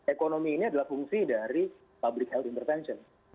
ekonomi ini adalah fungsi dari public health intervention